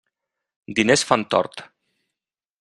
Diners fan tort.